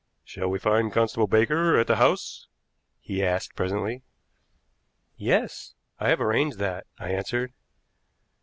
"Shall we find Constable Baker at the house?" he asked presently. "Yes; I have arranged that," I answered.